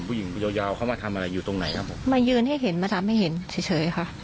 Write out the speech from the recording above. ผู้หญิงยาวยาวเขามาทำอะไรอยู่ตรงไหนครับผมมายืนให้เห็นมาทำให้เห็นเฉยเฉยค่ะ